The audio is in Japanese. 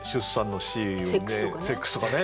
セックスとかね。